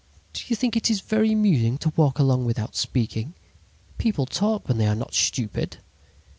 "'Do you think it is very amusing to walk along without speaking? People talk when they are not stupid.'